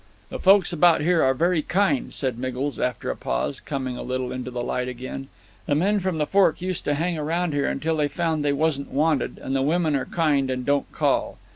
"The folks about here are very kind," said Miggles, after a pause, coming a little into the light again. "The men from the fork used to hang around here, until they found they wasn't wanted, and the women are kind and don't call.